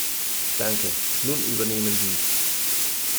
Danke. Nun übernehmen Sie.